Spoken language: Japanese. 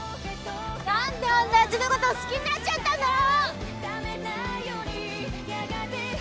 「何であんなやつのこと好きになっちゃったんだろ！」